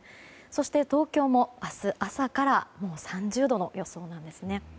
そして、東京も明日朝から３０度の予想なんですね。